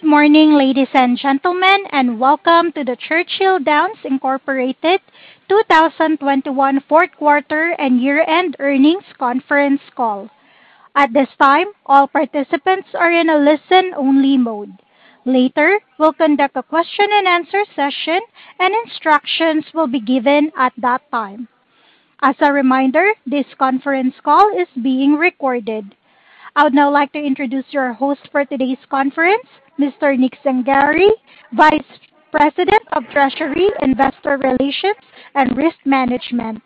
Good morning, ladies and gentlemen, and welcome to the Churchill Downs Incorporated 2021 fourth quarter and year-end earnings conference call. At this time, all participants are in a listen-only mode. Later, we'll conduct a question-and-answer session, and instructions will be given at that time. As a reminder, this conference call is being recorded. I would now like to introduce your host for today's conference, Mr. Nick Zangari, Vice President of Treasury, Investor Relations, and Risk Management.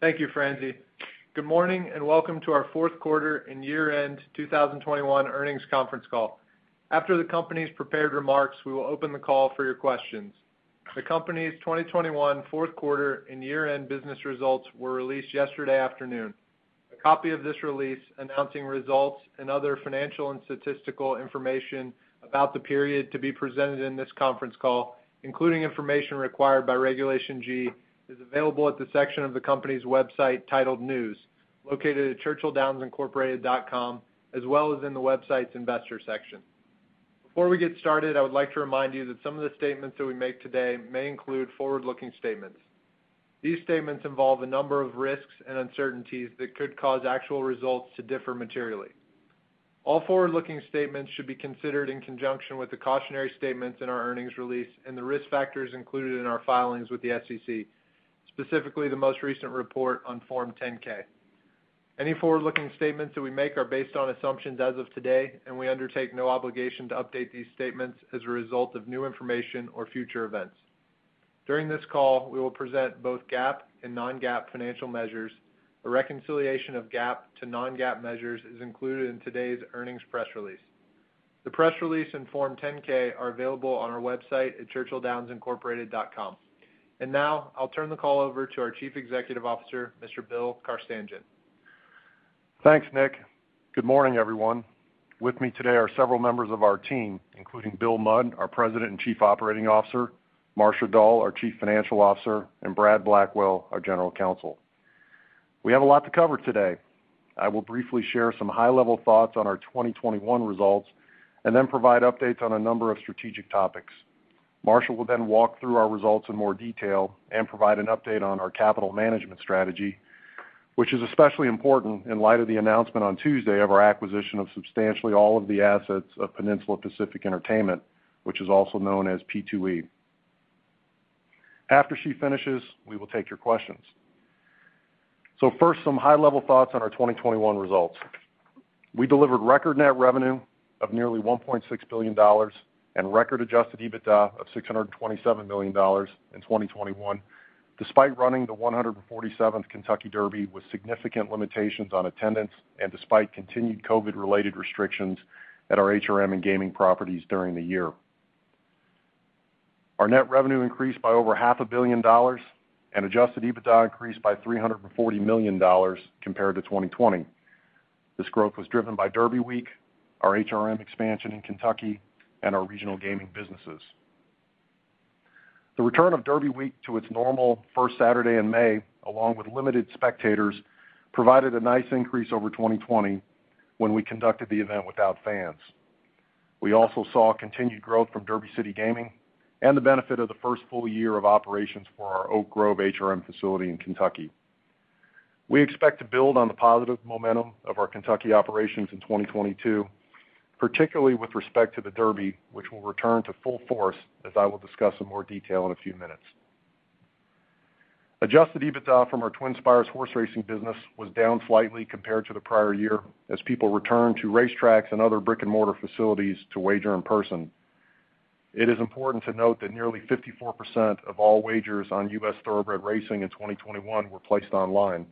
Thank you, Franzi. Good morning, and welcome to our fourth quarter and year-end 2021 earnings conference call. After the company's prepared remarks, we will open the call for your questions. The company's 2021 fourth quarter and year-end business results were released yesterday afternoon. A copy of this release announcing results and other financial and statistical information about the period to be presented in this conference call, including information required by Regulation G, is available at the section of the company's website titled News, located at churchilldownsincorporated.com, as well as in the website's investor section. Before we get started, I would like to remind you that some of the statements that we make today may include forward-looking statements. These statements involve a number of risks and uncertainties that could cause actual results to differ materially. All forward-looking statements should be considered in conjunction with the cautionary statements in our earnings release and the risk factors included in our filings with the SEC, specifically the most recent report on Form 10-K. Any forward-looking statements that we make are based on assumptions as of today, and we undertake no obligation to update these statements as a result of new information or future events. During this call, we will present both GAAP and non-GAAP financial measures. A reconciliation of GAAP to non-GAAP measures is included in today's earnings press release. The press release and Form 10-K are available on our website at churchilldownsincorporated.com. Now, I'll turn the call over to our Chief Executive Officer, Mr. Bill Carstanjen. Thanks, Nick. Good morning, everyone. With me today are several members of our team, including Bill Mudd, our President and Chief Operating Officer, Marcia Dall, our Chief Financial Officer, and Brad Blackwell, our General Counsel. We have a lot to cover today. I will briefly share some high-level thoughts on our 2021 results and then provide updates on a number of strategic topics. Marcia will then walk through our results in more detail and provide an update on our capital management strategy, which is especially important in light of the announcement on Tuesday of our acquisition of substantially all of the assets of Peninsula Pacific Entertainment, which is also known as P2E. After she finishes, we will take your questions. First, some high-level thoughts on our 2021 results. We delivered record net revenue of nearly $1.6 billion and record adjusted EBITDA of $627 million in 2021, despite running the 147th Kentucky Derby with significant limitations on attendance and despite continued COVID-related restrictions at our HRM and gaming properties during the year. Our net revenue increased by over half a billion dollars, and adjusted EBITDA increased by $340 million compared to 2020. This growth was driven by Derby Week, our HRM expansion in Kentucky, and our regional gaming businesses. The return of Derby Week to its normal first Saturday in May, along with limited spectators, provided a nice increase over 2020 when we conducted the event without fans. We also saw continued growth from Derby City Gaming and the benefit of the first full year of operations for our Oak Grove HRM facility in Kentucky. We expect to build on the positive momentum of our Kentucky operations in 2022, particularly with respect to the Derby, which will return to full force, as I will discuss in more detail in a few minutes. Adjusted EBITDA from our TwinSpires horse racing business was down slightly compared to the prior year as people returned to race tracks and other brick-and-mortar facilities to wager in person. It is important to note that nearly 54% of all wagers on U.S. Thoroughbred racing in 2021 were placed online,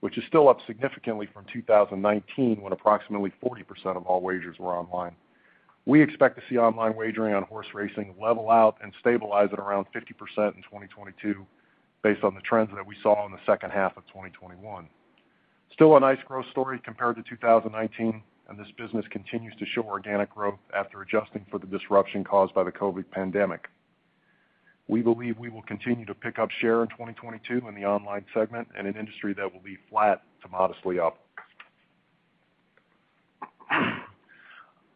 which is still up significantly from 2019 when approximately 40% of all wagers were online. We expect to see online wagering on horse racing level out and stabilize at around 50% in 2022 based on the trends that we saw in the second half of 2021. Still a nice growth story compared to 2019, and this business continues to show organic growth after adjusting for the disruption caused by the COVID pandemic. We believe we will continue to pick up share in 2022 in the online segment in an industry that will be flat to modestly up.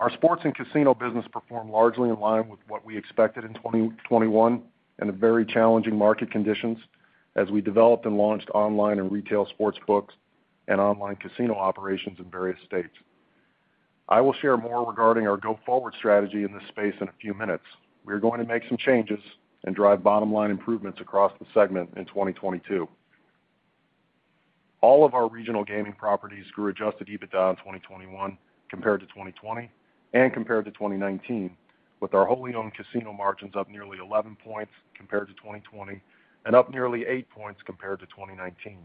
Our sports and casino business performed largely in line with what we expected in 2021 in very challenging market conditions as we developed and launched online and retail sports books and online casino operations in various states. I will share more regarding our go-forward strategy in this space in a few minutes. We are going to make some changes and drive bottom-line improvements across the segment in 2022. All of our regional gaming properties grew adjusted EBITDA in 2021 compared to 2020 and compared to 2019, with our wholly-owned casino margins up nearly 11 points compared to 2020 and up nearly 8 points compared to 2019.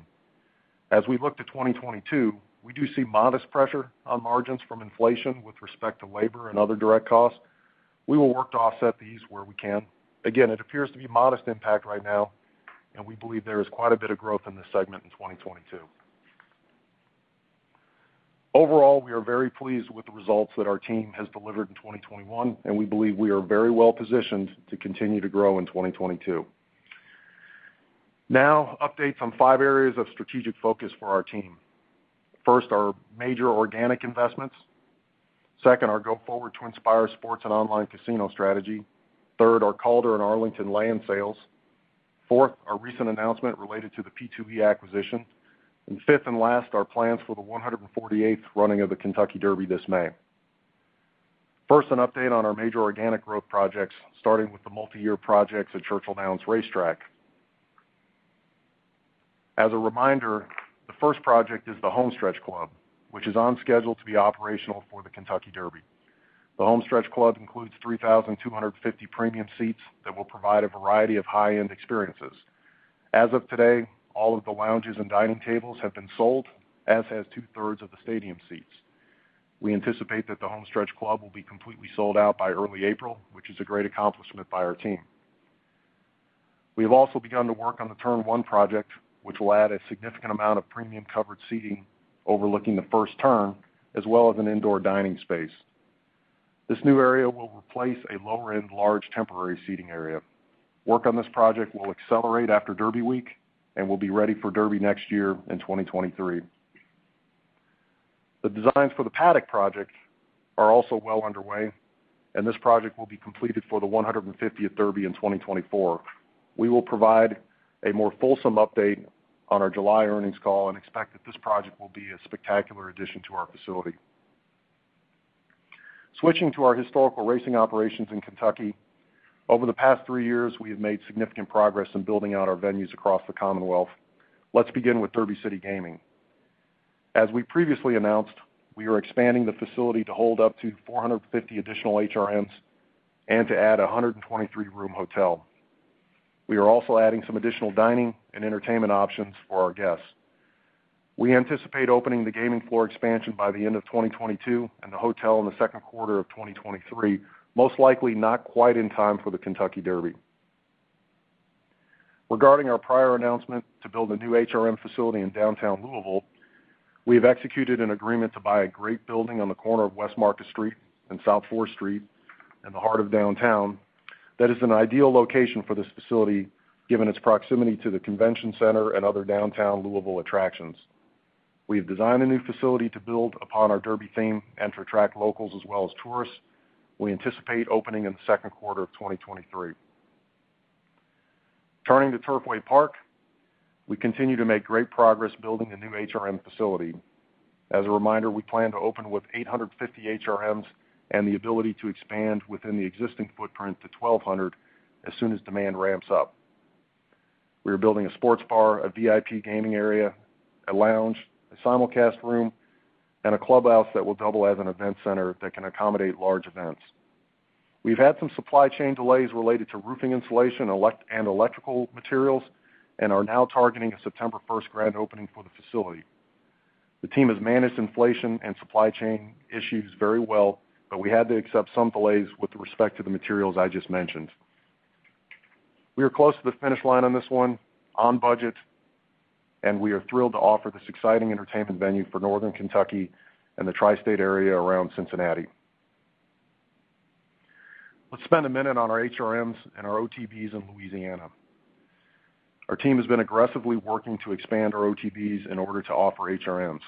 As we look to 2022, we do see modest pressure on margins from inflation with respect to labor and other direct costs. We will work to offset these where we can. Again, it appears to be modest impact right now, and we believe there is quite a bit of growth in this segment in 2022. Overall, we are very pleased with the results that our team has delivered in 2021, and we believe we are very well-positioned to continue to grow in 2022. Now updates on five areas of strategic focus for our team. First, our major organic investments. Second, our go forward TwinSpires sports and online casino strategy. Third, our Calder and Arlington land sales. Fourth, our recent announcement related to the P2E acquisition. And fifth and last, our plans for the 148th running of the Kentucky Derby this May. First, an update on our major organic growth projects, starting with the multi-year projects at Churchill Downs Racetrack. As a reminder, the first project is the Homestretch Club, which is on schedule to be operational for the Kentucky Derby. The Homestretch Club includes 3,250 premium seats that will provide a variety of high-end experiences. As of today, all of the lounges and dining tables have been sold, as has two-thirds of the stadium seats. We anticipate that the Homestretch Club will be completely sold out by early April, which is a great accomplishment by our team. We have also begun to work on the Turn 1 project, which will add a significant amount of premium covered seating overlooking the first turn, as well as an indoor dining space. This new area will replace a lower-end large temporary seating area. Work on this project will accelerate after Derby week and will be ready for Derby next year in 2023. The designs for the Paddock project are also well underway, and this project will be completed for the 150th Derby in 2024. We will provide a more fulsome update on our July earnings call and expect that this project will be a spectacular addition to our facility. Switching to our historical racing operations in Kentucky, over the past 3 years, we have made significant progress in building out our venues across the Commonwealth. Let's begin with Derby City Gaming. As we previously announced, we are expanding the facility to hold up to 450 additional HRMs and to add a 123-room hotel. We are also adding some additional dining and entertainment options for our guests. We anticipate opening the gaming floor expansion by the end of 2022 and the hotel in the second quarter of 2023, most likely not quite in time for the Kentucky Derby. Regarding our prior announcement to build a new HRM facility in downtown Louisville, we have executed an agreement to buy a great building on the corner of West Market Street and South Fourth Street in the heart of downtown that is an ideal location for this facility, given its proximity to the convention center and other downtown Louisville attractions. We have designed a new facility to build upon our Derby theme and to attract locals as well as tourists. We anticipate opening in the second quarter of 2023. Turning to Turfway Park, we continue to make great progress building a new HRM facility. As a reminder, we plan to open with 850 HRMs and the ability to expand within the existing footprint to 1,200 as soon as demand ramps up. We are building a sports bar, a VIP gaming area, a lounge, a simulcast room, and a clubhouse that will double as an event center that can accommodate large events. We've had some supply chain delays related to roofing insulation and electrical materials and are now targeting a September first grand opening for the facility. The team has managed inflation and supply chain issues very well, but we had to accept some delays with respect to the materials I just mentioned. We are close to the finish line on this one, on budget, and we are thrilled to offer this exciting entertainment venue for Northern Kentucky and the tri-state area around Cincinnati. Let's spend a minute on our HRMs and our OTVs in Louisiana. Our team has been aggressively working to expand our OTVs in order to offer HRMs.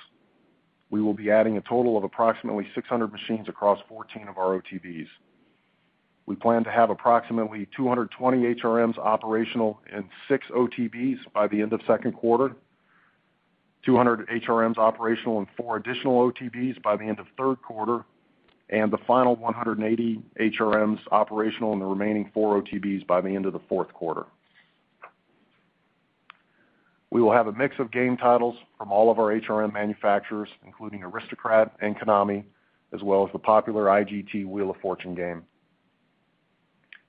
We will be adding a total of approximately 600 machines across 14 of our OTVs. We plan to have approximately 220 HRMs operational in 6 OTVs by the end of second quarter, 200 HRMs operational in 4 additional OTVs by the end of third quarter, and the final 180 HRMs operational in the remaining 4 OTVs by the end of the fourth quarter. We will have a mix of game titles from all of our HRM manufacturers, including Aristocrat and Konami, as well as the popular IGT Wheel of Fortune game.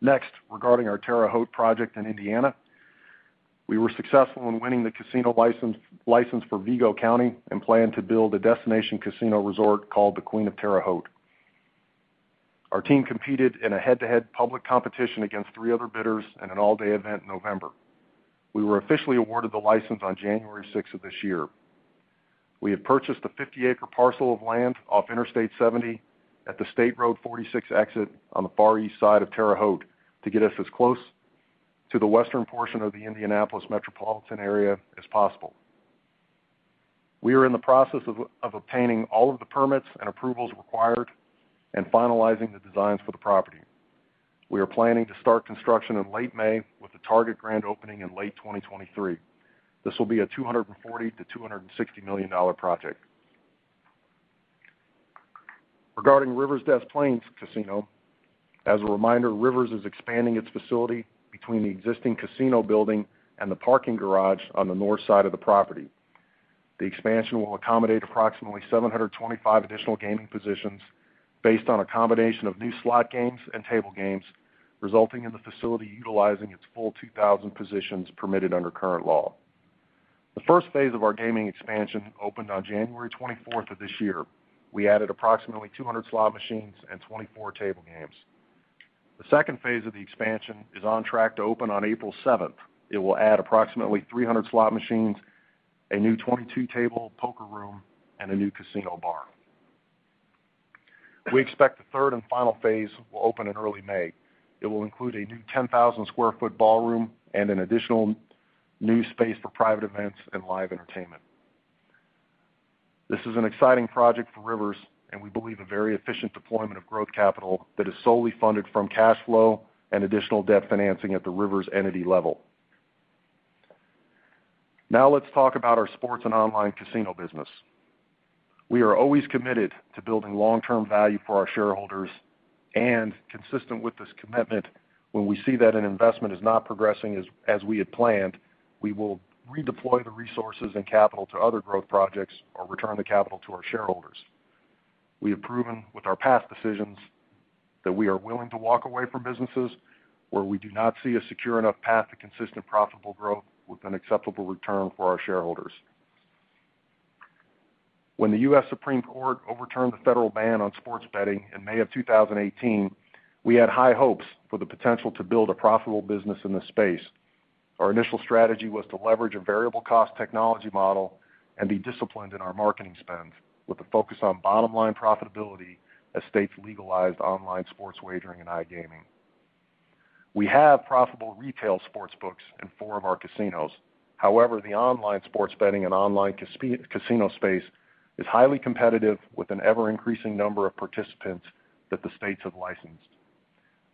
Next, regarding our Terre Haute project in Indiana, we were successful in winning the casino license for Vigo County and plan to build a destination casino resort called the Queen of Terre Haute. Our team competed in a head-to-head public competition against three other bidders in an all-day event in November. We were officially awarded the license on January 6 of this year. We have purchased a 50-acre parcel of land off Interstate 70 at the State Road 46 exit on the far east side of Terre Haute to get us as close to the western portion of the Indianapolis metropolitan area as possible. We are in the process of obtaining all of the permits and approvals required and finalizing the designs for the property. We are planning to start construction in late May with a target grand opening in late 2023. This will be a $240 million-$260 million project. Regarding Rivers Casino Des Plaines, as a reminder, Rivers is expanding its facility between the existing casino building and the parking garage on the north side of the property. The expansion will accommodate approximately 725 additional gaming positions based on a combination of new slot games and table games, resulting in the facility utilizing its full 2,000 positions permitted under current law. The first phase of our gaming expansion opened on January 24 of this year. We added approximately 200 slot machines and 24 table games. The second phase of the expansion is on track to open on April 7. It will add approximately 300 slot machines, a new 22-table poker room, and a new casino bar. We expect the third and final phase will open in early May. It will include a new 10,000 sq ft ballroom and an additional new space for private events and live entertainment. This is an exciting project for Rivers, and we believe a very efficient deployment of growth capital that is solely funded from cash flow and additional debt financing at the Rivers entity level. Now let's talk about our sports and online casino business. We are always committed to building long-term value for our shareholders, and consistent with this commitment, when we see that an investment is not progressing as we had planned, we will redeploy the resources and capital to other growth projects or return the capital to our shareholders. We have proven with our past decisions that we are willing to walk away from businesses where we do not see a secure enough path to consistent profitable growth with an acceptable return for our shareholders. When the U.S. Supreme Court overturned the federal ban on sports betting in May 2018, we had high hopes for the potential to build a profitable business in this space. Our initial strategy was to leverage a variable cost technology model and be disciplined in our marketing spends with a focus on bottom-line profitability as states legalized online sports wagering and iGaming. We have profitable retail sports books in four of our casinos. However, the online sports betting and online casino space is highly competitive with an ever-increasing number of participants that the states have licensed.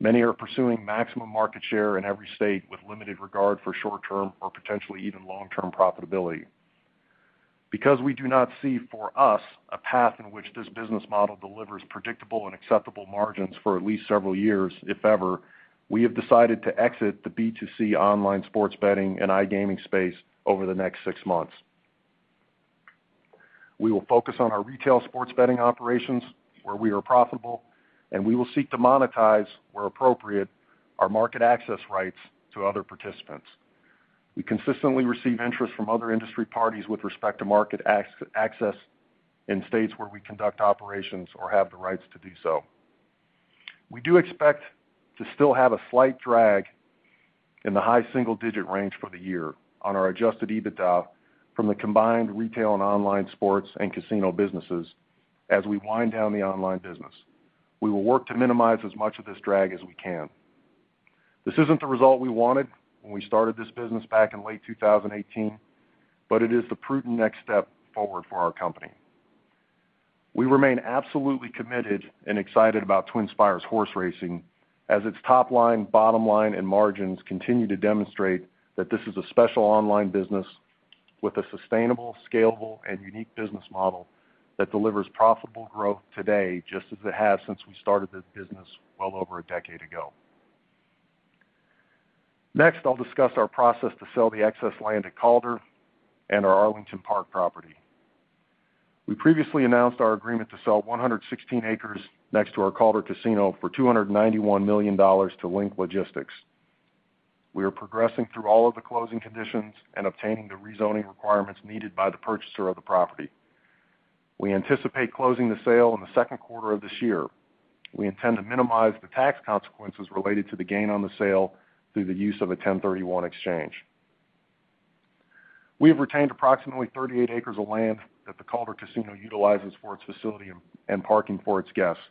Many are pursuing maximum market share in every state with limited regard for short-term or potentially even long-term profitability. Because we do not see for us a path in which this business model delivers predictable and acceptable margins for at least several years, if ever, we have decided to exit the B2C online sports betting and iGaming space over the next six months. We will focus on our retail sports betting operations, where we are profitable, and we will seek to monetize, where appropriate, our market access rights to other participants. We consistently receive interest from other industry parties with respect to market access in states where we conduct operations or have the rights to do so. We do expect to still have a slight drag in the high single-digit range for the year on our adjusted EBITDA from the combined retail and online sports and casino businesses as we wind down the online business. We will work to minimize as much of this drag as we can. This isn't the result we wanted when we started this business back in late 2018, but it is the prudent next step forward for our company. We remain absolutely committed and excited about TwinSpires horse racing as its top line, bottom line, and margins continue to demonstrate that this is a special online business with a sustainable, scalable, and unique business model that delivers profitable growth today, just as it has since we started this business well over a decade ago. Next, I'll discuss our process to sell the excess land at Calder and our Arlington Park property. We previously announced our agreement to sell 116 acres next to our Calder Casino for $291 million to Link Logistics. We are progressing through all of the closing conditions and obtaining the rezoning requirements needed by the purchaser of the property. We anticipate closing the sale in the second quarter of this year. We intend to minimize the tax consequences related to the gain on the sale through the use of a 1031 exchange. We have retained approximately 38 acres of land that the Calder Casino utilizes for its facility and parking for its guests.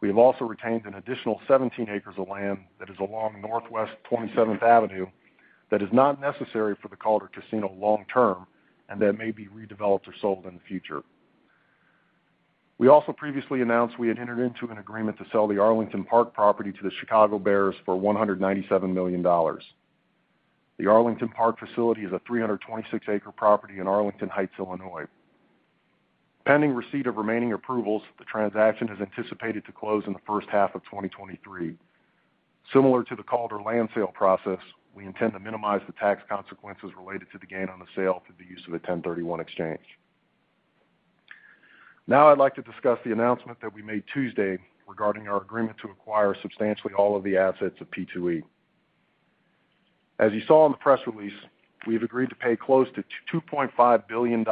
We have also retained an additional 17 acres of land that is along Northwest 27th Avenue that is not necessary for the Calder Casino long term, and that may be redeveloped or sold in the future. We also previously announced we had entered into an agreement to sell the Arlington Park property to the Chicago Bears for $197 million. The Arlington Park facility is a 326-acre property in Arlington Heights, Illinois. Pending receipt of remaining approvals, the transaction is anticipated to close in the first half of 2023. Similar to the Calder land sale process, we intend to minimize the tax consequences related to the gain on the sale through the use of a 1031 exchange. Now I'd like to discuss the announcement that we made Tuesday regarding our agreement to acquire substantially all of the assets of P2E. As you saw in the press release, we have agreed to pay close to $2.5 billion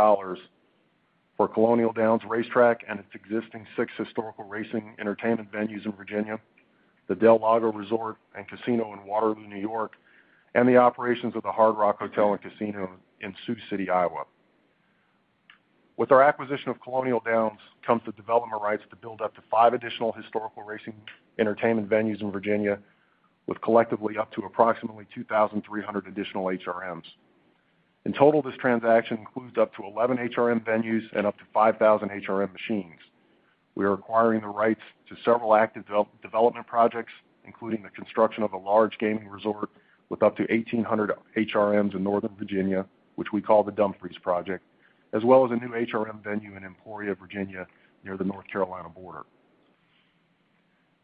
for Colonial Downs Racetrack and its existing 6 historical racing entertainment venues in Virginia, del Lago Resort and Casino in Waterloo, New York, and the operations of the Hard Rock Hotel and Casino in Sioux City, Iowa. With our acquisition of Colonial Downs comes the development rights to build up to 5 additional historical racing entertainment venues in Virginia, with collectively up to approximately 2,300 additional HRMs. In total, this transaction includes up to 11 HRM venues and up to 5,000 HRM machines. We are acquiring the rights to several active development projects, including the construction of a large gaming resort with up to 1,800 HRMs in Northern Virginia, which we call the Dumfries project, as well as a new HRM venue in Emporia, Virginia, near the North Carolina border.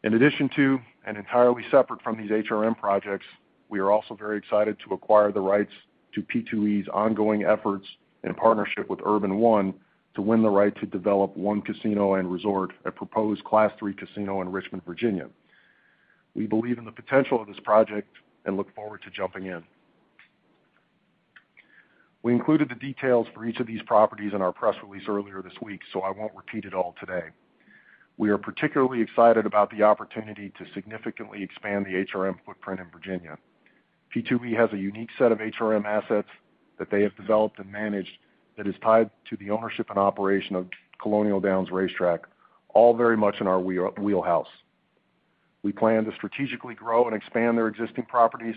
In addition to, and entirely separate from these HRM projects, we are also very excited to acquire the rights to P2E's ongoing efforts in partnership with Urban One to win the right to develop one casino and resort, a proposed Class III casino in Richmond, Virginia. We believe in the potential of this project and look forward to jumping in. We included the details for each of these properties in our press release earlier this week, so I won't repeat it all today. We are particularly excited about the opportunity to significantly expand the HRM footprint in Virginia. P2E has a unique set of HRM assets that they have developed and managed that is tied to the ownership and operation of Colonial Downs Racetrack, all very much in our wheelhouse. We plan to strategically grow and expand their existing properties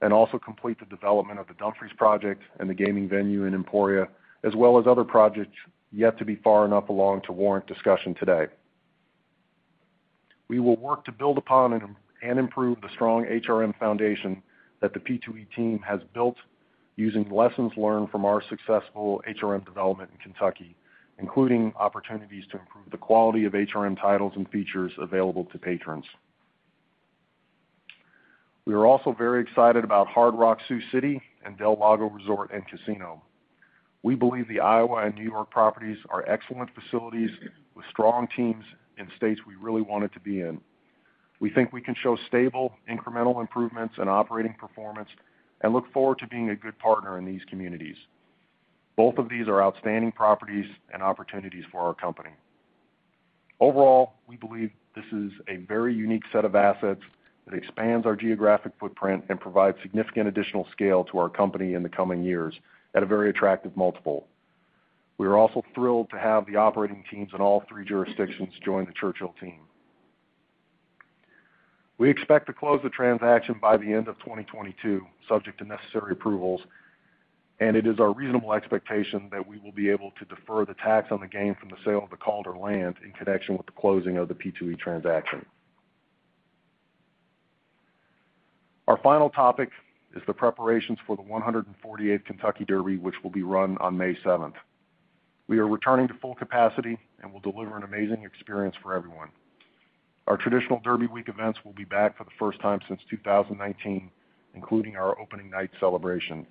and also complete the development of the Dumfries project and the gaming venue in Emporia, as well as other projects yet to be far enough along to warrant discussion today. We will work to build upon and improve the strong HRM foundation that the P2E team has built using lessons learned from our successful HRM development in Kentucky, including opportunities to improve the quality of HRM titles and features available to patrons. We are also very excited about Hard Rock Sioux City and del Lago Resort & Casino. We believe the Iowa and New York properties are excellent facilities with strong teams in states we really wanted to be in. We think we can show stable incremental improvements in operating performance and look forward to being a good partner in these communities. Both of these are outstanding properties and opportunities for our company. Overall, we believe this is a very unique set of assets that expands our geographic footprint and provides significant additional scale to our company in the coming years at a very attractive multiple. We are also thrilled to have the operating teams in all three jurisdictions join the Churchill team. We expect to close the transaction by the end of 2022, subject to necessary approvals, and it is our reasonable expectation that we will be able to defer the tax on the gain from the sale of the Calder land in connection with the closing of the P2E transaction. Our final topic is the preparations for the 148th Kentucky Derby, which will be run on May 7th. We are returning to full capacity and will deliver an amazing experience for everyone. Our traditional Derby week events will be back for the first time since 2019, including our opening night celebration.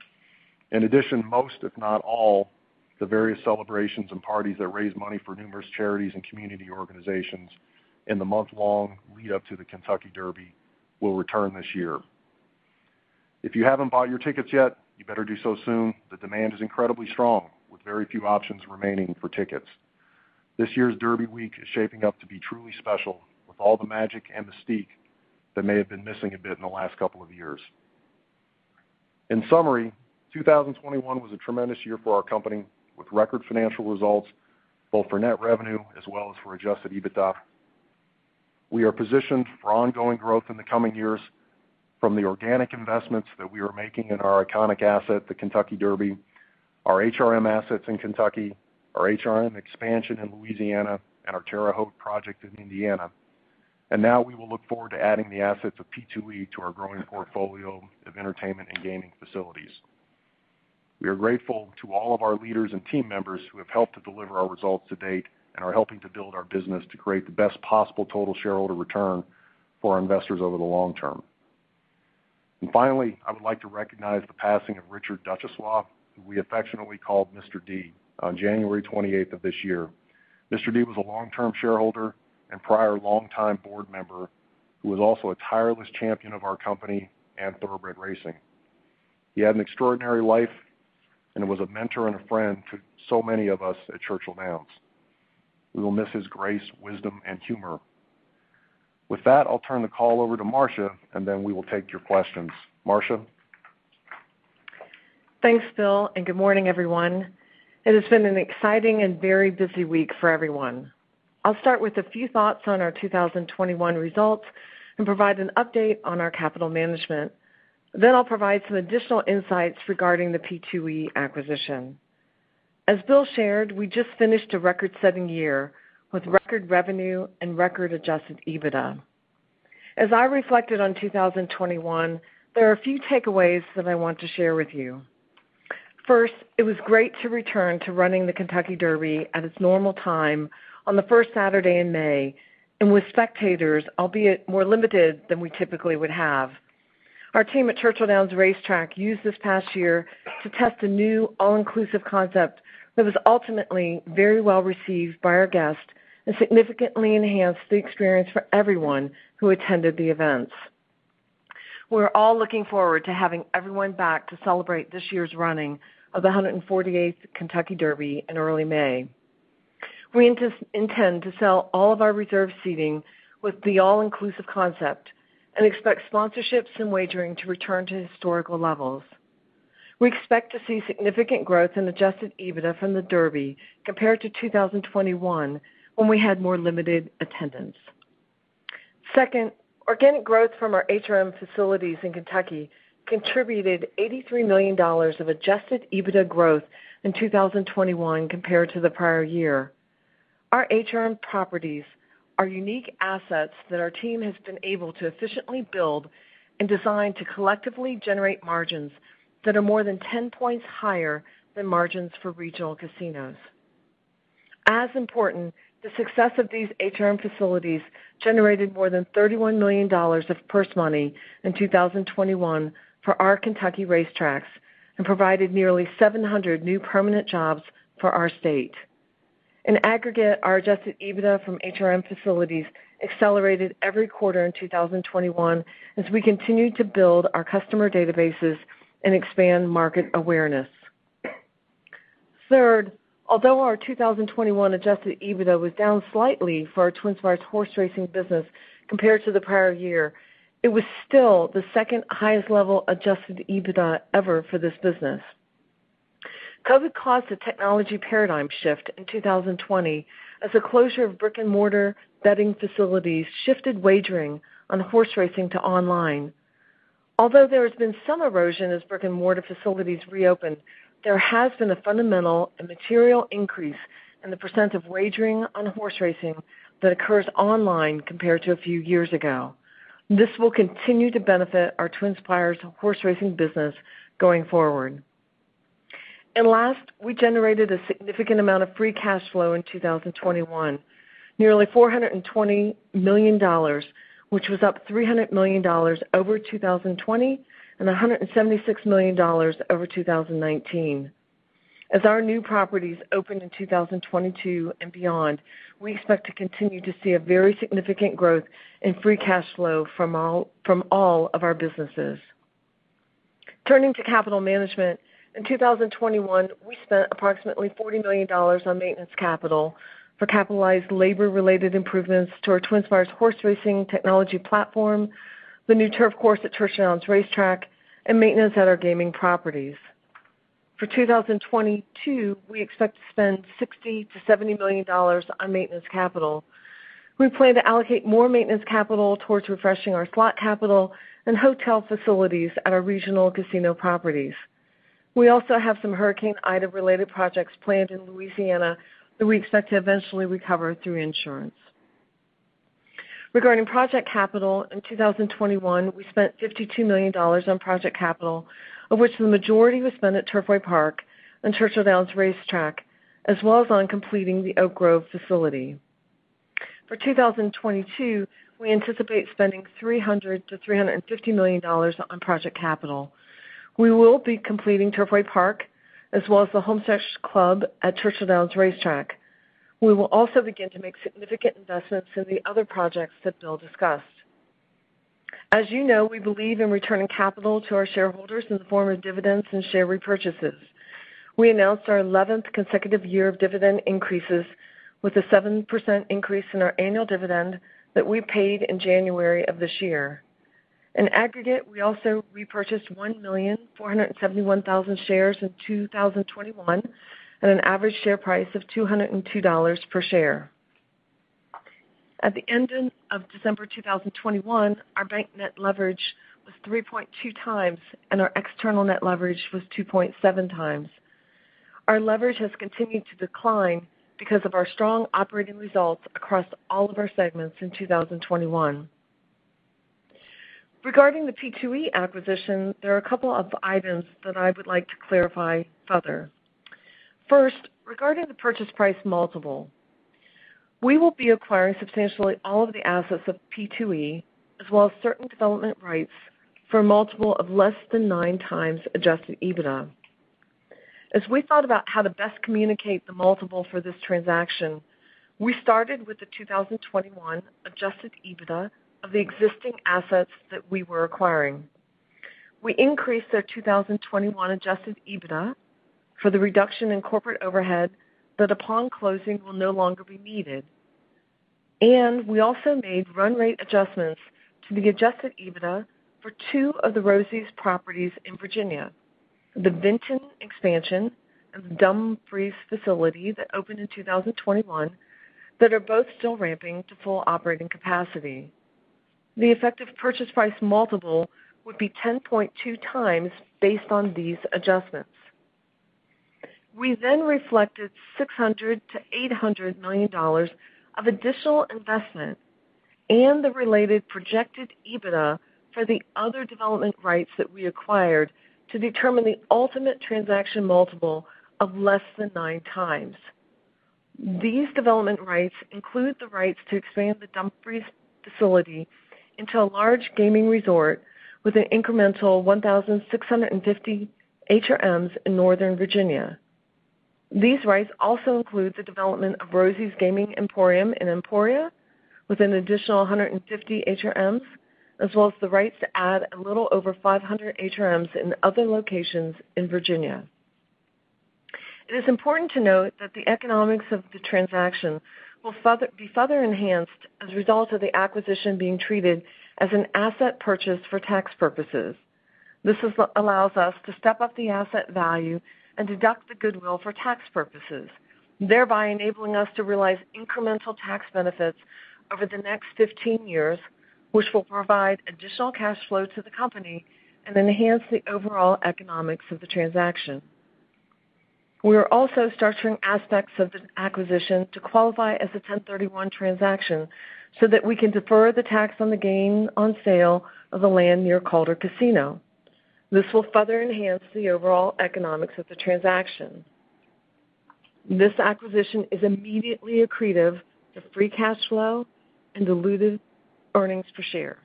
In addition, most, if not all, of the various celebrations and parties that raise money for numerous charities and community organizations in the month-long lead-up to the Kentucky Derby will return this year. If you haven't bought your tickets yet, you better do so soon. The demand is incredibly strong, with very few options remaining for tickets. This year's Derby week is shaping up to be truly special, with all the magic and mystique that may have been missing a bit in the last couple of years. In summary, 2021 was a tremendous year for our company, with record financial results both for net revenue as well as for adjusted EBITDA. We are positioned for ongoing growth in the coming years from the organic investments that we are making in our iconic asset, the Kentucky Derby, our HRM assets in Kentucky, our HRM expansion in Louisiana, and our Terre Haute project in Indiana. Now we will look forward to adding the assets of P2E to our growing portfolio of entertainment and gaming facilities. We are grateful to all of our leaders and team members who have helped to deliver our results to date and are helping to build our business to create the best possible total shareholder return for our investors over the long term. Finally, I would like to recognize the passing of Richard Duchossois, who we affectionately called Mr. D, on January 28th of this year. Mr. D was a long-term shareholder and prior longtime board member who was also a tireless champion of our company and thoroughbred racing. He had an extraordinary life and was a mentor and a friend to so many of us at Churchill Downs. We will miss his grace, wisdom, and humor. With that, I'll turn the call over to Marcia, and then we will take your questions. Marcia? Thanks, Bill, and good morning, everyone. It has been an exciting and very busy week for everyone. I'll start with a few thoughts on our 2021 results and provide an update on our capital management. Then I'll provide some additional insights regarding the P2E acquisition. As Bill shared, we just finished a record-setting year with record revenue and record adjusted EBITDA. As I reflected on 2021, there are a few takeaways that I want to share with you. First, it was great to return to running the Kentucky Derby at its normal time on the first Saturday in May, and with spectators, albeit more limited than we typically would have. Our team at Churchill Downs Racetrack used this past year to test a new all-inclusive concept that was ultimately very well-received by our guests and significantly enhanced the experience for everyone who attended the events. We're all looking forward to having everyone back to celebrate this year's running of the 148th Kentucky Derby in early May. We intend to sell all of our reserved seating with the all-inclusive concept and expect sponsorships and wagering to return to historical levels. We expect to see significant growth in adjusted EBITDA from the Derby compared to 2021, when we had more limited attendance. Second, organic growth from our HRM facilities in Kentucky contributed $83 million of adjusted EBITDA growth in 2021 compared to the prior year. Our HRM properties are unique assets that our team has been able to efficiently build and design to collectively generate margins that are more than 10 points higher than margins for regional casinos. As important, the success of these HRM facilities generated more than $31 million of purse money in 2021 for our Kentucky racetracks and provided nearly 700 new permanent jobs for our state. In aggregate, our adjusted EBITDA from HRM facilities accelerated every quarter in 2021 as we continued to build our customer databases and expand market awareness. Third, although our 2021 adjusted EBITDA was down slightly for our TwinSpires horse racing business compared to the prior year, it was still the second-highest level adjusted EBITDA ever for this business. COVID caused a technology paradigm shift in 2020 as the closure of brick-and-mortar betting facilities shifted wagering on horse racing to online. Although there has been some erosion as brick-and-mortar facilities reopen, there has been a fundamental and material increase in the % of wagering on horse racing that occurs online compared to a few years ago. This will continue to benefit our TwinSpires horse racing business going forward. Last, we generated a significant amount of free cash flow in 2021, nearly $420 million, which was up $300 million over 2020 and $176 million over 2019. As our new properties open in 2022 and beyond, we expect to continue to see a very significant growth in free cash flow from all of our businesses. Turning to capital management, in 2021, we spent approximately $40 million on maintenance capital for capitalized labor-related improvements to our TwinSpires horse racing technology platform, the new turf course at Churchill Downs Racetrack, and maintenance at our gaming properties. For 2022, we expect to spend $60 million-$70 million on maintenance capital. We plan to allocate more maintenance capital towards refreshing our slot capital and hotel facilities at our regional casino properties. We also have some Hurricane Ida-related projects planned in Louisiana that we expect to eventually recover through insurance. Regarding project capital, in 2021, we spent $52 million on project capital, of which the majority was spent at Turfway Park and Churchill Downs Racetrack, as well as on completing the Oak Grove facility. For 2022, we anticipate spending $300 million-$350 million on project capital. We will be completing Turfway Park as well as the Homestretch Club at Churchill Downs Racetrack. We will also begin to make significant investments in the other projects that Bill discussed. As you know, we believe in returning capital to our shareholders in the form of dividends and share repurchases. We announced our eleventh consecutive year of dividend increases with a 7% increase in our annual dividend that we paid in January of this year. In aggregate, we also repurchased 1,471,000 shares in 2021 at an average share price of $202 per share. At the end of December 2021, our bank net leverage was 3.2x, and our external net leverage was 2.7x. Our leverage has continued to decline because of our strong operating results across all of our segments in 2021. Regarding the P2E acquisition, there are a couple of items that I would like to clarify further. First, regarding the purchase price multiple, we will be acquiring substantially all of the assets of P2E, as well as certain development rights for a multiple of less than 9x adjusted EBITDA. As we thought about how to best communicate the multiple for this transaction, we started with the 2021 adjusted EBITDA of the existing assets that we were acquiring. We increased their 2021 adjusted EBITDA for the reduction in corporate overhead that, upon closing, will no longer be needed. We also made run rate adjustments to the adjusted EBITDA for two of the Rosie's properties in Virginia, the Vinton expansion and the Dumfries facility that opened in 2021 that are both still ramping to full operating capacity. The effective purchase price multiple would be 10.2x based on these adjustments. We then reflected $600 million-$800 million of additional investment and the related projected EBITDA for the other development rights that we acquired to determine the ultimate transaction multiple of less than 9x. These development rights include the rights to expand the Dumfries facility into a large gaming resort with an incremental 1,650 HRMs in Northern Virginia. These rights also include the development of Rosie's Gaming Emporium in Emporia with an additional 150 HRMs, as well as the rights to add a little over 500 HRMs in other locations in Virginia. It is important to note that the economics of the transaction will be further enhanced as a result of the acquisition being treated as an asset purchase for tax purposes. This allows us to step up the asset value and deduct the goodwill for tax purposes, thereby enabling us to realize incremental tax benefits over the next 15 years, which will provide additional cash flow to the company and enhance the overall economics of the transaction. We are also structuring aspects of this acquisition to qualify as a 1031 transaction so that we can defer the tax on the gain on sale of the land near Calder Casino. This will further enhance the overall economics of the transaction. This acquisition is immediately accretive to free cash flow and diluted earnings per share.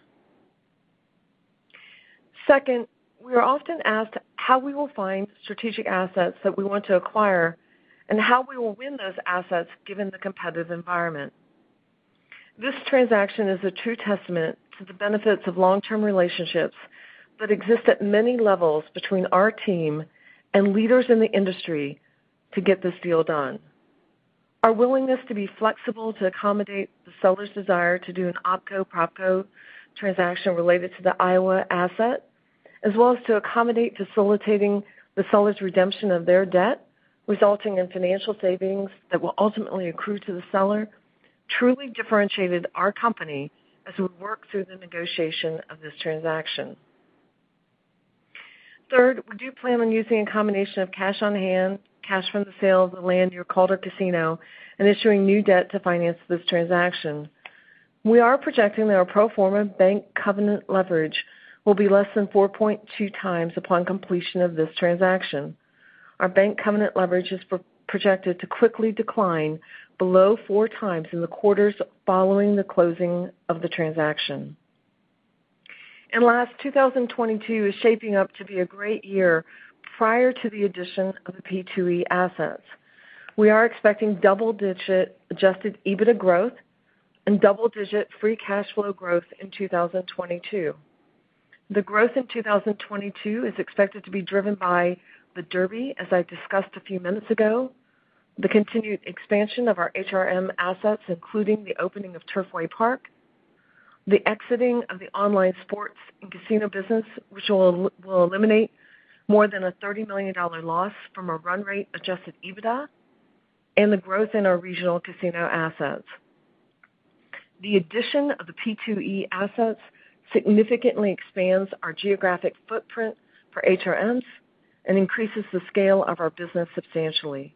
Second, we are often asked how we will find strategic assets that we want to acquire and how we will win those assets given the competitive environment. This transaction is a true testament to the benefits of long-term relationships that exist at many levels between our team and leaders in the industry to get this deal done. Our willingness to be flexible to accommodate the seller's desire to do an opco/propco transaction related to the Iowa asset, as well as to accommodate facilitating the seller's redemption of their debt, resulting in financial savings that will ultimately accrue to the seller, truly differentiated our company as we worked through the negotiation of this transaction. Third, we do plan on using a combination of cash on hand, cash from the sale of the land near Calder Casino, and issuing new debt to finance this transaction. We are projecting that our pro forma bank covenant leverage will be less than 4.2x upon completion of this transaction. Our bank covenant leverage is pro-projected to quickly decline below 4x in the quarters following the closing of the transaction. Last, 2022 is shaping up to be a great year prior to the addition of the P2E assets. We are expecting double-digit adjusted EBITDA growth and double-digit free cash flow growth in 2022. The growth in 2022 is expected to be driven by the Derby, as I discussed a few minutes ago, the continued expansion of our HRM assets, including the opening of Turfway Park, the exiting of the online sports and casino business, which will eliminate more than a $30 million loss from a run rate adjusted EBITDA, and the growth in our regional casino assets. The addition of the P2E assets significantly expands our geographic footprint for HRMs and increases the scale of our business substantially.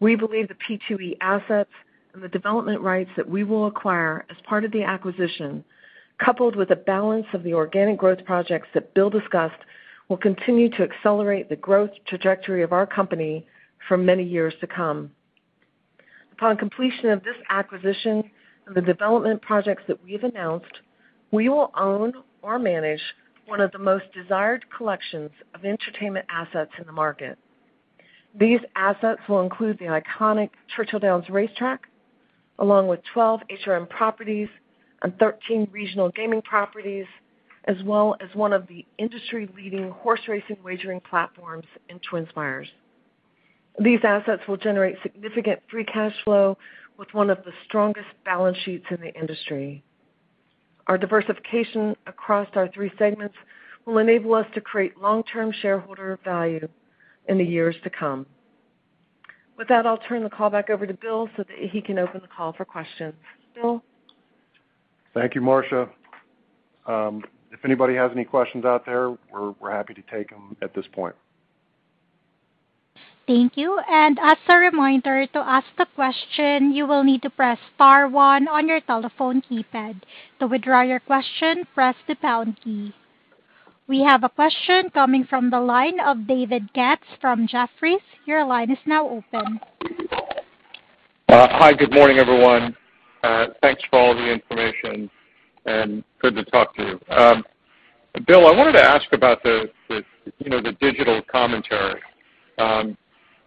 We believe the P2E assets and the development rights that we will acquire as part of the acquisition, coupled with the balance of the organic growth projects that Bill discussed, will continue to accelerate the growth trajectory of our company for many years to come. Upon completion of this acquisition and the development projects that we've announced, we will own or manage one of the most desired collections of entertainment assets in the market. These assets will include the iconic Churchill Downs Racetrack, along with 12 HRM properties and 13 regional gaming properties, as well as one of the industry-leading horse racing wagering platforms in TwinSpires. These assets will generate significant free cash flow with one of the strongest balance sheets in the industry. Our diversification across our three segments will enable us to create long-term shareholder value in the years to come. With that, I'll turn the call back over to Bill so that he can open the call for questions. Bill? Thank you, Marcia. If anybody has any questions out there, we're happy to take them at this point. Thank you. As a reminder, to ask the question, you will need to press star one on your telephone keypad. To withdraw your question, press the pound key. We have a question coming from the line of David Katz from Jefferies. Your line is now open. Hi. Good morning, everyone. Thanks for all the information, and good to talk to you. Bill, I wanted to ask about the digital commentary. You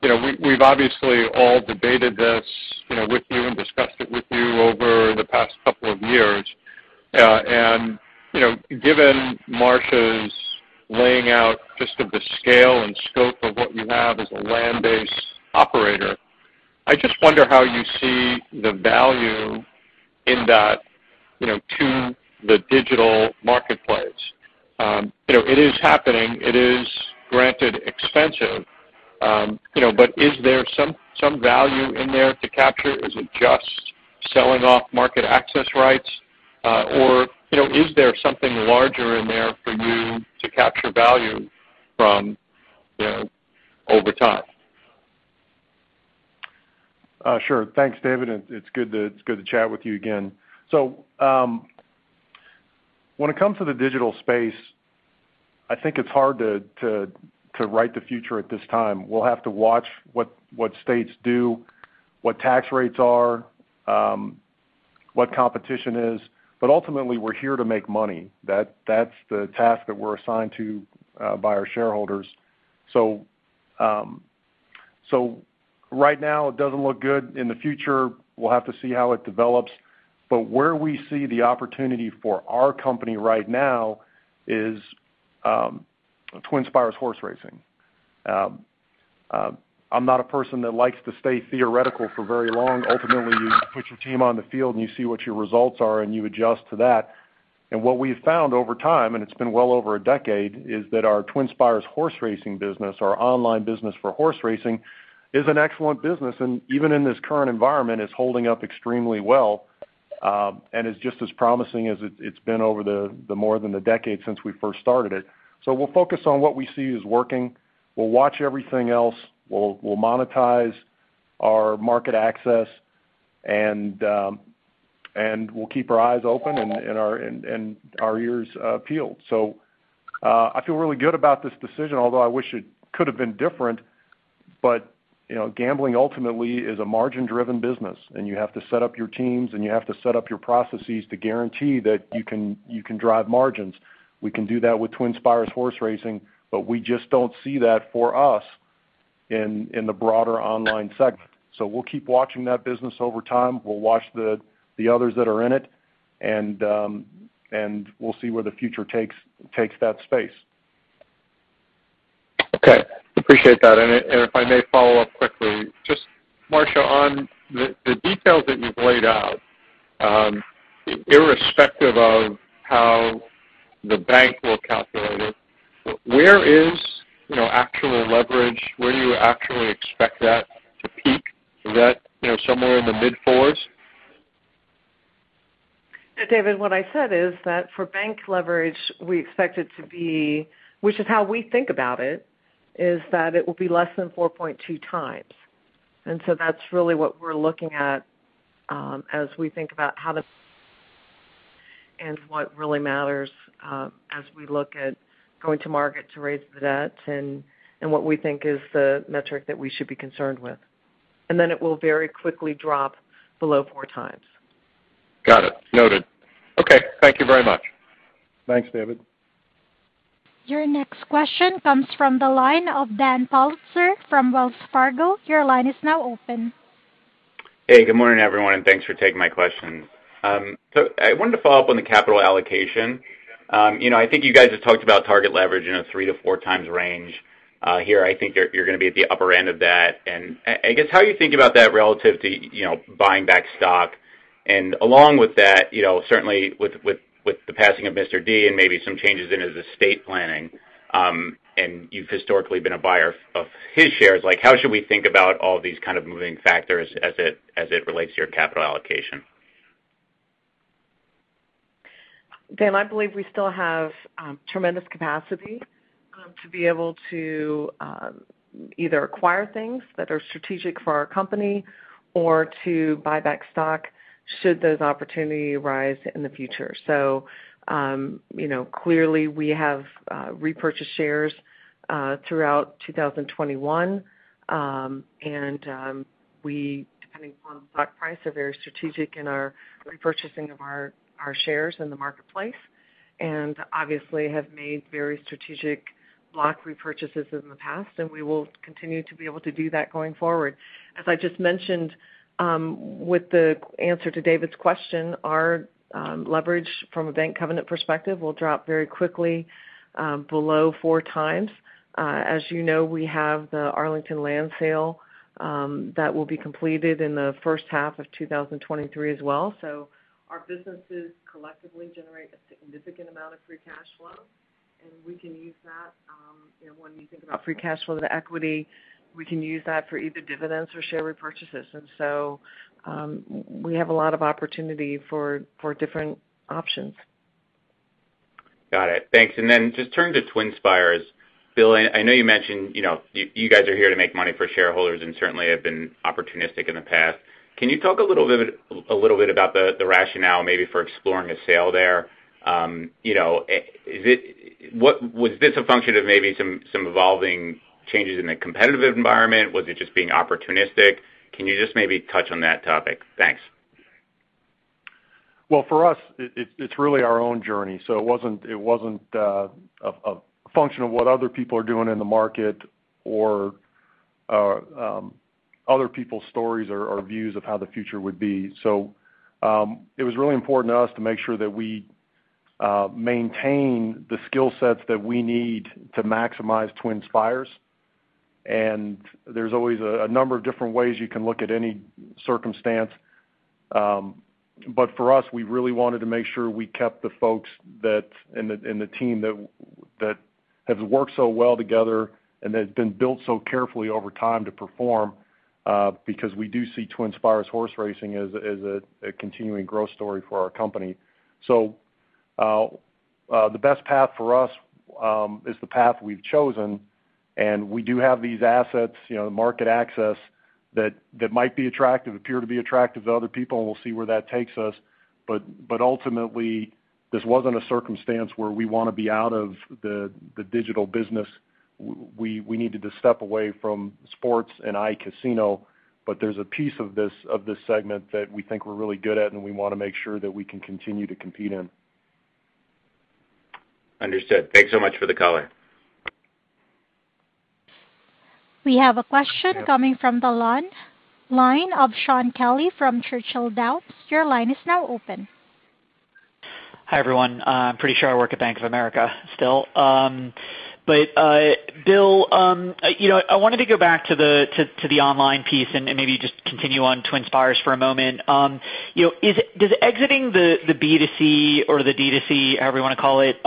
know, we've obviously all debated this, you know, with you and discussed it with you over the past couple of years. You know, given Marcia's laying out just the scale and scope of what you have as a land-based operator, I just wonder how you see the value in that, you know, to the digital marketplace. You know, it is happening. It is, granted, expensive, you know, but is there some value in there to capture? Is it just selling off market access rights? You know, is there something larger in there for you to capture value from, you know, over time? Sure. Thanks, David. It's good to chat with you again. When it comes to the digital space, I think it's hard to write the future at this time. We'll have to watch what states do, what tax rates are, what competition is, but ultimately, we're here to make money. That's the task that we're assigned to by our shareholders. Right now it doesn't look good. In the future, we'll have to see how it develops. Where we see the opportunity for our company right now is TwinSpires horse racing. I'm not a person that likes to stay theoretical for very long. Ultimately, you put your team on the field, and you see what your results are, and you adjust to that. What we've found over time, and it's been well over a decade, is that our TwinSpires horse racing business, our online business for horse racing, is an excellent business. Even in this current environment, it's holding up extremely well, and is just as promising as it's been over the more than a decade since we first started it. We'll focus on what we see is working. We'll watch everything else. We'll monetize our market access and we'll keep our eyes open and our ears peeled. I feel really good about this decision, although I wish it could have been different. You know, gambling ultimately is a margin-driven business, and you have to set up your teams, and you have to set up your processes to guarantee that you can drive margins. We can do that with TwinSpires horse racing, but we just don't see that for us in the broader online segment. We'll keep watching that business over time. We'll watch the others that are in it, and we'll see where the future takes that space. Okay. Appreciate that. If I may follow up quickly, just Marsha, on the details that you've laid out, irrespective of how the bank will calculate it, where is, you know, actual leverage? Where do you actually expect that to peak? Is that, you know, somewhere in the mid fours? David, what I said is that for bank leverage, we expect it to be, which is how we think about it, is that it will be less than 4.2 times. That's really what we're looking at as we think about how and what really matters as we look at going to market to raise the debt and what we think is the metric that we should be concerned with. Then it will very quickly drop below 4 times. Got it. Noted. Okay. Thank you very much. Thanks, David. Your next question comes from the line of Daniel Politzer from Wells Fargo. Your line is now open. Hey, good morning, everyone, and thanks for taking my questions. I wanted to follow up on the capital allocation. You know, I think you guys have talked about target leverage in a 3-4 times range here. I think you're gonna be at the upper end of that. I guess how you think about that relative to, you know, buying back stock. Along with that, you know, certainly with the passing of Mr. D and maybe some changes in his estate planning, and you've historically been a buyer of his shares, like, how should we think about all these kind of moving factors as it relates to your capital allocation? Dan, I believe we still have tremendous capacity to be able to either acquire things that are strategic for our company or to buy back stock should those opportunity arise in the future. You know, clearly, we have repurchased shares throughout 2021. We, depending upon stock price, are very strategic in our repurchasing of our shares in the marketplace, and obviously have made very strategic block repurchases in the past, and we will continue to be able to do that going forward. As I just mentioned, with the answer to David's question, our leverage from a bank covenant perspective will drop very quickly below 4x. As you know, we have the Arlington land sale that will be completed in the first half of 2023 as well. Our businesses collectively generate a significant amount of free cash flow, and we can use that, when you think about free cash flow to equity, we can use that for either dividends or share repurchases. We have a lot of opportunity for different options. Got it. Thanks. Then just turn to TwinSpires. Bill, I know you mentioned you guys are here to make money for shareholders and certainly have been opportunistic in the past. Can you talk a little bit about the rationale maybe for exploring a sale there? Was this a function of maybe some evolving changes in the competitive environment? Was it just being opportunistic? Can you just maybe touch on that topic? Thanks. Well, for us it's really our own journey. It wasn't a function of what other people are doing in the market or other people's stories or views of how the future would be. It was really important to us to make sure that we maintain the skill sets that we need to maximize TwinSpires. There's always a number of different ways you can look at any circumstance. But for us, we really wanted to make sure we kept the folks in the team that have worked so well together and that have been built so carefully over time to perform because we do see TwinSpires horse racing as a continuing growth story for our company. The best path for us is the path we've chosen. We do have these assets, you know, the market access that might appear to be attractive to other people, and we'll see where that takes us. Ultimately, this wasn't a circumstance where we wanna be out of the digital business. We needed to step away from sports and iCasino, but there's a piece of this segment that we think we're really good at, and we wanna make sure that we can continue to compete in. Understood. Thanks so much for the color. We have a question coming from the line of Shaun Kelley from Churchill Downs. Your line is now open. Hi, everyone. I'm pretty sure I work at Bank of America still. Bill, you know, I wanted to go back to the online piece and maybe just continue on TwinSpires for a moment. You know, does exiting the B2C or the D2C, however you wanna call it,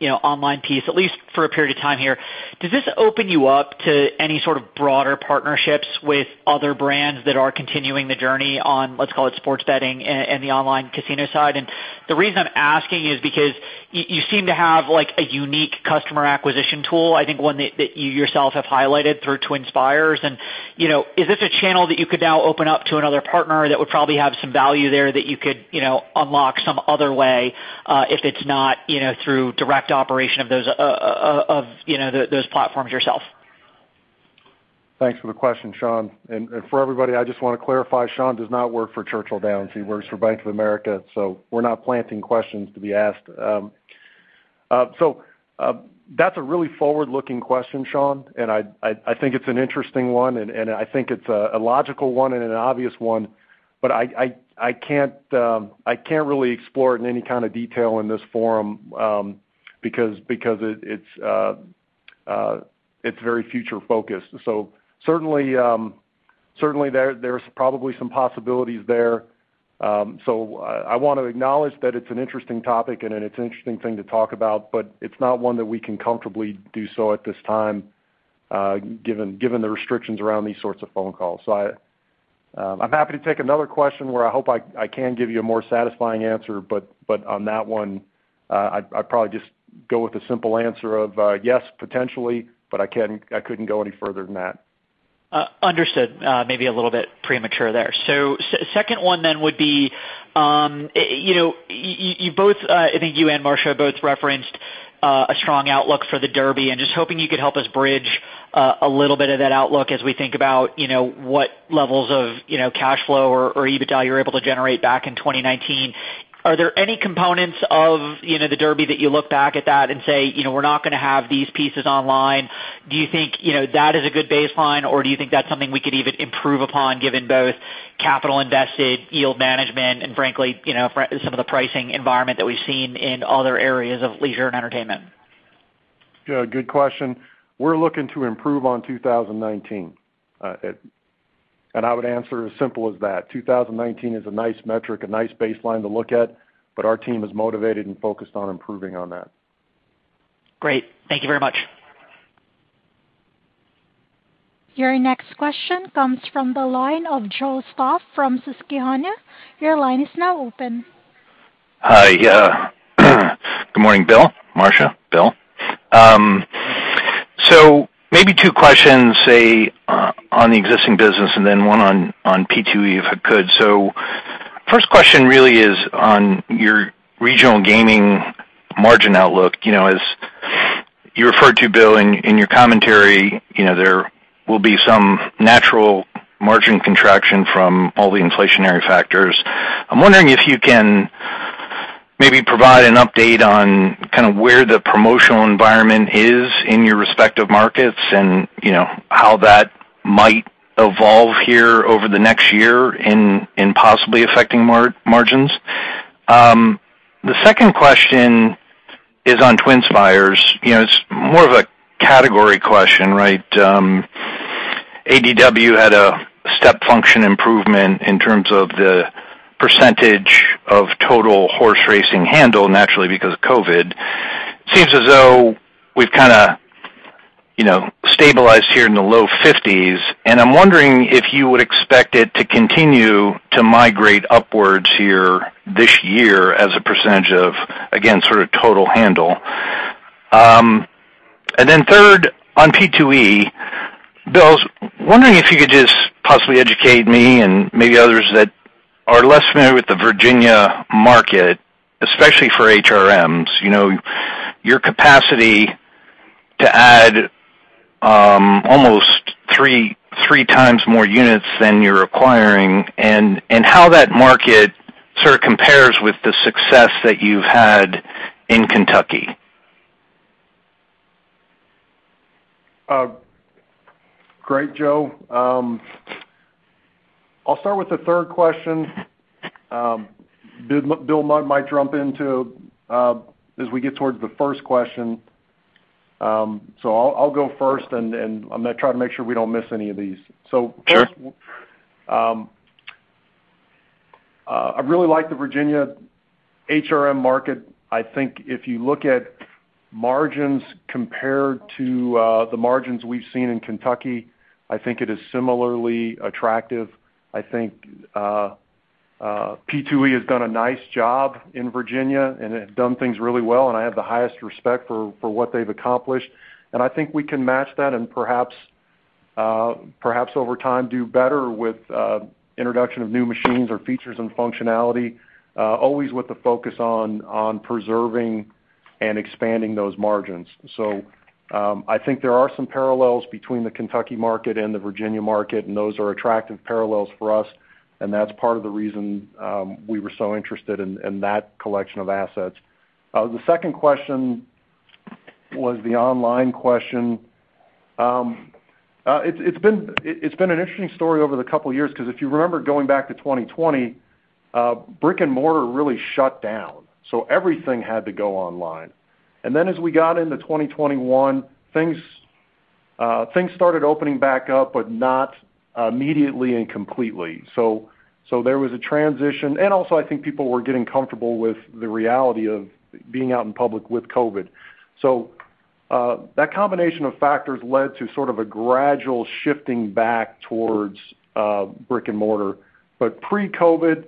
you know, online piece, at least for a period of time here, does this open you up to any sort of broader partnerships with other brands that are continuing the journey on, let's call it, sports betting and the online casino side? The reason I'm asking is because you seem to have, like, a unique customer acquisition tool, I think one that you yourself have highlighted through TwinSpires. You know, is this a channel that you could now open up to another partner that would probably have some value there that you could, you know, unlock some other way, if it's not, you know, through direct operation of those platforms yourself? Thanks for the question, Shaun. For everybody, I just wanna clarify, Shaun does not work for Churchill Downs. He works for Bank of America, so we're not planting questions to be asked. That's a really forward-looking question, Shaun, and I think it's an interesting one, and I think it's a logical one and an obvious one, but I can't really explore it in any kind of detail in this forum, because it's very future-focused. Certainly, certainly there's probably some possibilities there. I want to acknowledge that it's an interesting topic and it's an interesting thing to talk about, but it's not one that we can comfortably do so at this time, given the restrictions around these sorts of phone calls. I'm happy to take another question where I hope I can give you a more satisfying answer, but on that one, I'd probably just go with the simple answer of yes, potentially, but I couldn't go any further than that. Understood. Maybe a little bit premature there. Second one then would be, you know, you both, I think you and Marcia both referenced, a strong outlook for the Derby. I'm just hoping you could help us bridge, a little bit of that outlook as we think about, you know, what levels of, you know, cash flow or EBITDA you're able to generate back in 2019. Are there any components of, you know, the Derby that you look back at that and say, "You know, we're not gonna have these pieces online"? Do you think, you know, that is a good baseline, or do you think that's something we could even improve upon given both capital invested, yield management, and frankly, you know, some of the pricing environment that we've seen in other areas of leisure and entertainment? Yeah, good question. We're looking to improve on 2019. I would answer as simple as that. 2019 is a nice metric, a nice baseline to look at, but our team is motivated and focused on improving on that. Great. Thank you very much. Your next question comes from the line of Joseph Stauff from Susquehanna. Your line is now open. Hi. Good morning, Bill, Marcia, Bill. Maybe two questions, say, on the existing business and then one on P2E, if I could. First question really is on your regional gaming margin outlook. You know, as you referred to, Bill, in your commentary, you know, there will be some natural margin contraction from all the inflationary factors. I'm wondering if you can maybe provide an update on kind of where the promotional environment is in your respective markets and, you know, how that might evolve here over the next year in possibly affecting margins. The second question is on TwinSpires. You know, it's more of a category question, right? ADW had a step function improvement in terms of the percentage of total horse racing handle, naturally because of COVID. Seems as though we've kind of, you know, stabilized here in the low 50s, and I'm wondering if you would expect it to continue to migrate upwards here this year as a percentage of, again, sort of total handle. Third on P2E, Bill, I was wondering if you could just possibly educate me and maybe others that are less familiar with the Virginia market, especially for HRMs. You know, your capacity to add almost 3 times more units than you're acquiring and how that market sort of compares with the success that you've had in Kentucky. Great, Joe. I'll start with the third question. Bill might jump in as we get towards the first question. I'll go first, and I'm gonna try to make sure we don't miss any of these. Sure. I really like the Virginia HRM market. I think if you look at margins compared to the margins we've seen in Kentucky, I think it is similarly attractive. I think P2E has done a nice job in Virginia, and it has done things really well, and I have the highest respect for what they've accomplished. I think we can match that and perhaps over time do better with introduction of new machines or features and functionality, always with the focus on preserving and expanding those margins. I think there are some parallels between the Kentucky market and the Virginia market, and those are attractive parallels for us, and that's part of the reason we were so interested in that collection of assets. The second question was the online question. It's been an interesting story over the couple years, because if you remember going back to 2020, brick-and-mortar really shut down, so everything had to go online. Then as we got into 2021, things started opening back up, but not immediately and completely. There was a transition, and also I think people were getting comfortable with the reality of being out in public with COVID. That combination of factors led to sort of a gradual shifting back towards brick-and-mortar. Pre-COVID,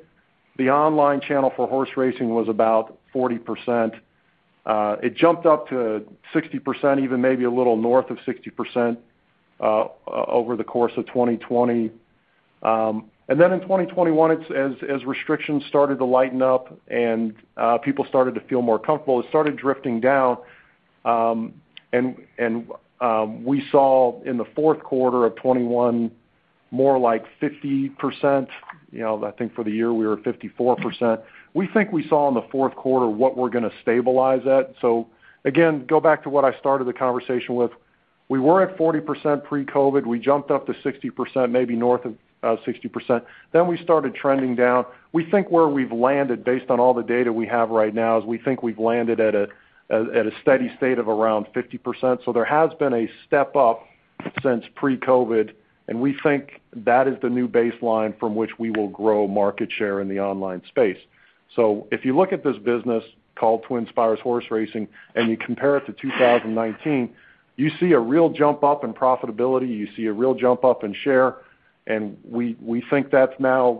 the online channel for horse racing was about 40%. It jumped up to 60%, even maybe a little north of 60%, over the course of 2020. In 2021, as restrictions started to lighten up and people started to feel more comfortable, it started drifting down. We saw in the fourth quarter of 2021 more like 50%, you know. I think for the year we were at 54%. We think we saw in the fourth quarter what we're gonna stabilize at. Go back to what I started the conversation with. We were at 40% pre-COVID. We jumped up to 60%, maybe north of 60%. We started trending down. We think where we've landed, based on all the data we have right now, is we think we've landed at a steady state of around 50%. There has been a step up since pre-COVID, and we think that is the new baseline from which we will grow market share in the online space. If you look at this business called TwinSpires Horse Racing, and you compare it to 2019, you see a real jump up in profitability. You see a real jump up in share, and we think that's now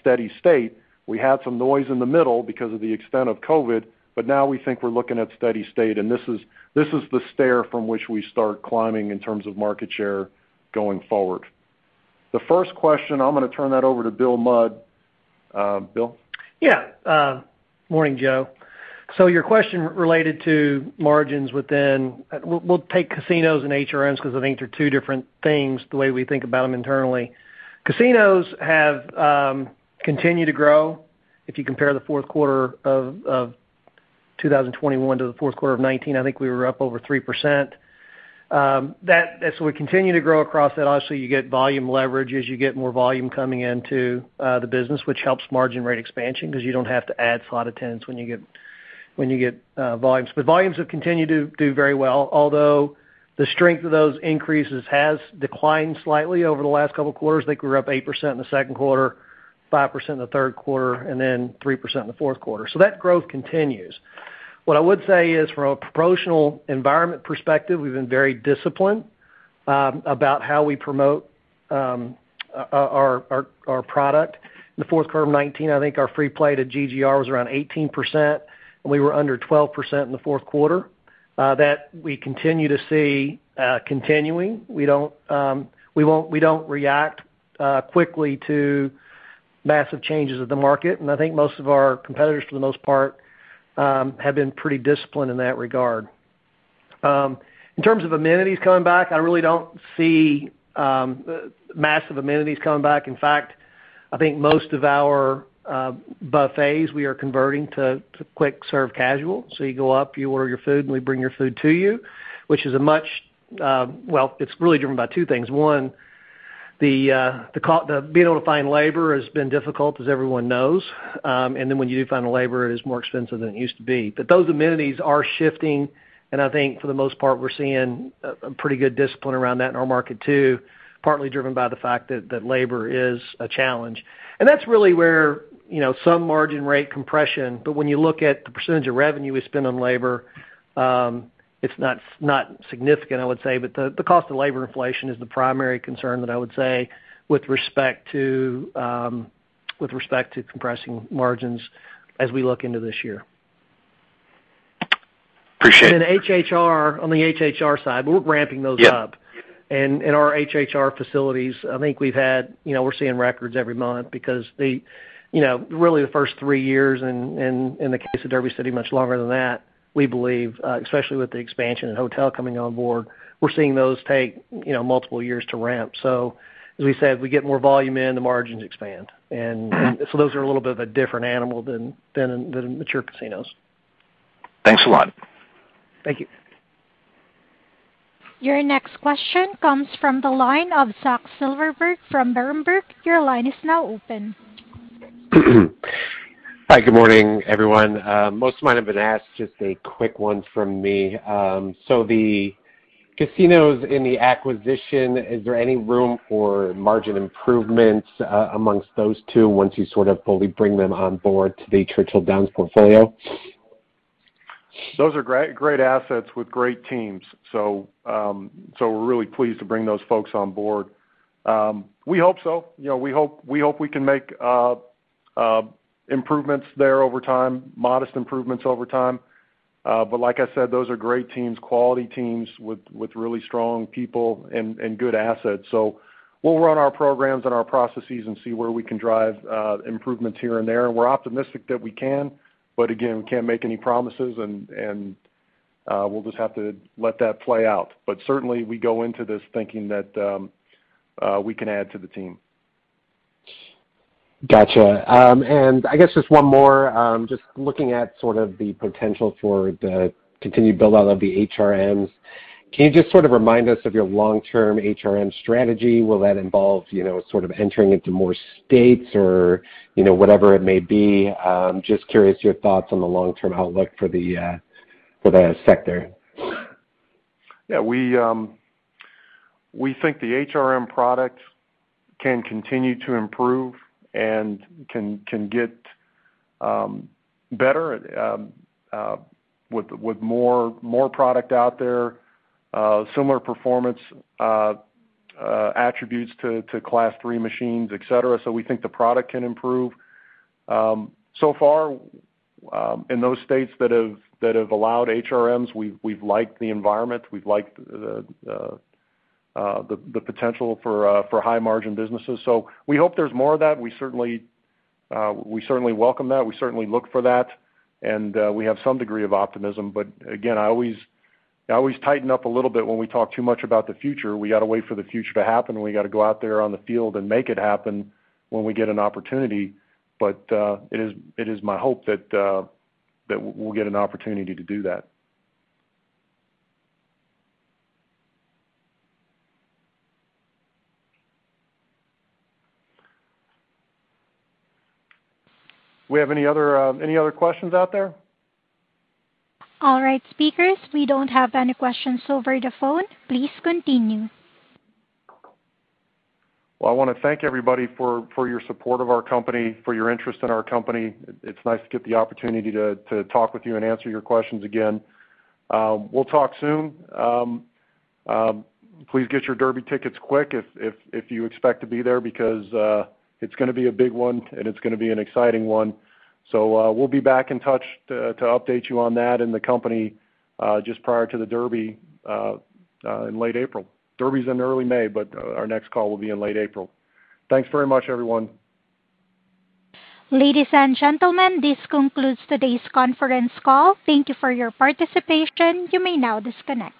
steady state. We had some noise in the middle because of the extent of COVID, but now we think we're looking at steady state, and this is the stair from which we start climbing in terms of market share going forward. The first question, I'm gonna turn that over to Bill Mudd. Bill? Yeah. Morning, Joe. So your question related to margins within... We'll take casinos and HRMs 'cause I think they're two different things, the way we think about them internally. Casinos have continued to grow. If you compare the fourth quarter of 2021 to the fourth quarter of 2019, I think we were up over 3%. As we continue to grow across that, obviously you get volume leverage as you get more volume coming into the business, which helps margin rate expansion 'cause you don't have to add slot attendants when you get volumes. But volumes have continued to do very well, although the strength of those increases has declined slightly over the last couple quarters. They grew up 8% in the second quarter, 5% in the third quarter, and then 3% in the fourth quarter. That growth continues. What I would say is from a promotional environment perspective, we've been very disciplined about how we promote our product. In the fourth quarter of 2019, I think our free play to GGR was around 18%, and we were under 12% in the fourth quarter that we continue to see continuing. We don't react quickly to massive changes of the market, and I think most of our competitors, for the most part, have been pretty disciplined in that regard. In terms of amenities coming back, I really don't see massive amenities coming back. In fact, I think most of our buffets, we are converting to quick-serve casual. You go up, you order your food, and we bring your food to you, which is a much. Well, it's really driven by two things. One, the being able to find labor has been difficult, as everyone knows. Then when you do find the labor, it is more expensive than it used to be. Those amenities are shifting, and I think for the most part, we're seeing a pretty good discipline around that in our market too, partly driven by the fact that labor is a challenge. That's really where, you know, some margin rate compression. When you look at the percentage of revenue we spend on labor, it's not significant, I would say. The cost of labor inflation is the primary concern that I would say with respect to compressing margins as we look into this year. appreciate it. HHR, on the HHR side, we're ramping those up. Yeah. In our HHR facilities, I think we've had. You know, we're seeing records every month because. You know, really the first three years in the case of Derby City, much longer than that, we believe, especially with the expansion and hotel coming on board, we're seeing those take, you know, multiple years to ramp. As we said, we get more volume in, the margins expand. Those are a little bit of a different animal than in mature casinos. Thanks a lot. Thank you. Your next question comes from the line of Zachary Silverberg from Berenberg. Your line is now open. Hi, good morning, everyone. This might have been asked, just a quick one from me. The casinos in the acquisition, is there any room for margin improvements amongst those two once you sort of fully bring them on board to the Churchill Downs portfolio? Those are great assets with great teams. We're really pleased to bring those folks on board. We hope so. You know, we hope we can make improvements there over time, modest improvements over time. Like I said, those are great teams, quality teams with really strong people and good assets. We'll run our programs and our processes and see where we can drive improvements here and there. We're optimistic that we can, but again, we can't make any promises and we'll just have to let that play out. Certainly, we go into this thinking that we can add to the team. Gotcha. I guess just one more. Just looking at sort of the potential for the continued build-out of the HRMs. Can you just sort of remind us of your long-term HRM strategy? Will that involve, you know, sort of entering into more states or, you know, whatever it may be? Just curious your thoughts on the long-term outlook for the sector. Yeah, we think the HRM products can continue to improve and can get better with more product out there, similar performance attributes to Class III machines, et cetera. We think the product can improve. So far, in those states that have allowed HRMs, we've liked the environment. We've liked the potential for high-margin businesses. We hope there's more of that. We certainly welcome that. We certainly look for that. We have some degree of optimism. Again, I always tighten up a little bit when we talk too much about the future. We gotta wait for the future to happen, and we gotta go out there on the field and make it happen when we get an opportunity. It is my hope that we'll get an opportunity to do that. Do we have any other questions out there? All right, speakers, we don't have any questions over the phone. Please continue. Well, I wanna thank everybody for your support of our company, for your interest in our company. It's nice to get the opportunity to talk with you and answer your questions again. We'll talk soon. Please get your Derby tickets quick if you expect to be there because it's gonna be a big one, and it's gonna be an exciting one. We'll be back in touch to update you on that and the company just prior to the Derby in late April. Derby's in early May, but our next call will be in late April. Thanks very much, everyone. Ladies and gentlemen, this concludes today's conference call. Thank you for your participation. You may now disconnect.